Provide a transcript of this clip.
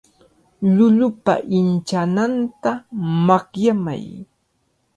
Llullupa inchananta makyamay.